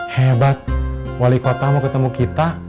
hebat wali kota mau ketemu kita